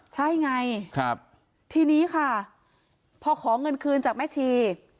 ใช่ไงทีนี้ค่ะพอขอเงินคืนจากแม่ชี